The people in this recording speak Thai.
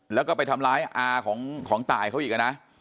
แล้วก็ไปทำร้ายอาของตายเขาอีกนะ